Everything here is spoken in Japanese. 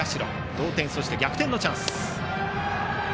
同点、そして逆転のチャンス。